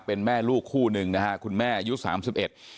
เป็นแม่ลูกคู่หนึ่งนะฮะคุณแม่อายุสามสิบเอ็ด